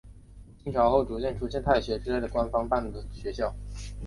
清朝后逐渐出现太学之类官方办的学校。